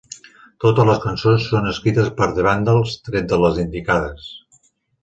Totes les cançons són escrites per The Vandals tret de les indicades.